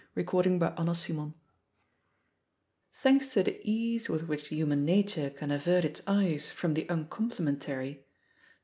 BOOK II CHAPTER I Thanks to the ease with which human nature can avert its eyes from the imcomplimentary.